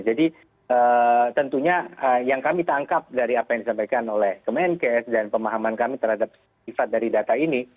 jadi tentunya yang kami tangkap dari apa yang disampaikan oleh kemenkes dan pemahaman kami terhadap sifat dari data ini